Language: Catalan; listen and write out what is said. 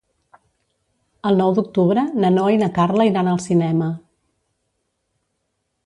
El nou d'octubre na Noa i na Carla iran al cinema.